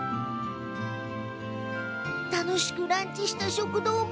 楽しくランチした食堂も。